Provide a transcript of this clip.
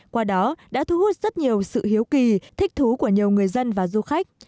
qua đó đã thu hút rất nhiều sự hiếu kỳ thích thú của nhiều người dân và du khách